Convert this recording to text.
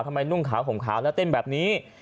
นุ่งขาวห่มขาวแล้วเต้นแบบนี้